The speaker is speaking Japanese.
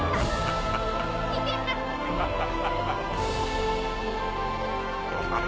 ハハハウハハ！